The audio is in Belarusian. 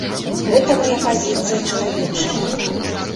Гэта мая пазіцыя чалавечая.